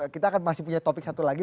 kita akan masih punya topik satu lagi